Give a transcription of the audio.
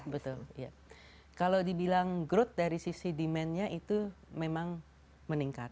betul kalau dibilang growth dari sisi demandnya itu memang meningkat